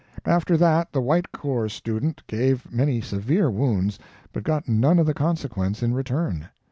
After that, the White Corps student gave many severe wounds, but got none of the consequence in return.